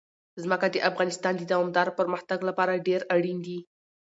ځمکه د افغانستان د دوامداره پرمختګ لپاره ډېر اړین دي.